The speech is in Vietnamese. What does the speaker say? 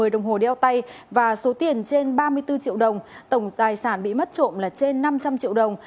một mươi đồng hồ đeo tay và số tiền trên ba mươi bốn triệu đồng tổng tài sản bị mất trộm là trên năm trăm linh triệu đồng